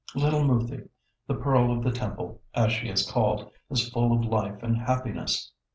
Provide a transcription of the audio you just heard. Little Moothi, the Pearl of the Temple, as she is called, is full of life and happiness.